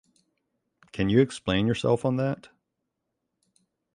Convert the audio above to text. Can you explain yourself on that?